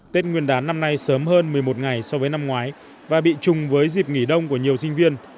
tết nguyên đán năm nay sớm hơn một mươi một ngày so với năm ngoái và bị chung với dịp nghỉ đông của nhiều sinh viên